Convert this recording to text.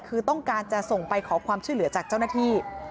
คือต้องการจะส่งไปขอความช่วยเหลือจากเจ้าหน้าที่